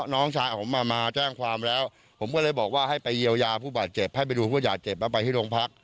ลองฟังเสียงเขาเล่าให้ฟังหน่อยนะคะ